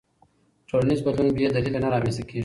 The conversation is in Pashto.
ټولنیز بدلون بې دلیله نه رامنځته کېږي.